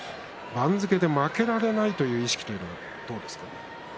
番付で負けられないという意識はどうですか？